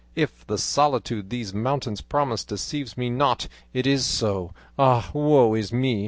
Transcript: If the solitude these mountains promise deceives me not, it is so; ah! woe is me!